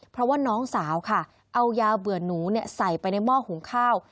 เพราะว่าน้องสาวค่ะเอายาเบื่อหนูใส่ไปในหม้อหุงข้าว